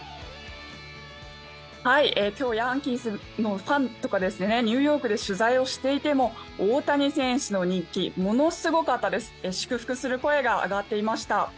今日ヤンキースのファンとかニューヨークで取材をしていても大谷選手の人気ものすごかったです祝福する声が上がっていました。